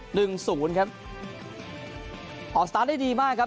หนึ่งศูนย์ครับออกสตาร์ทได้ดีมากครับ